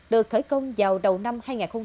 được khởi công vào đầu năm hai nghìn hai mươi